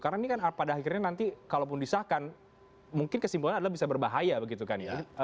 karena ini kan pada akhirnya nanti kalaupun disahkan mungkin kesimpulannya adalah bisa berbahaya begitu kan ya